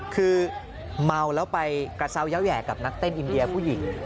คือเมาแล้วไปกระเซายาวแห่กับนักเต้นอินเดียผู้หญิง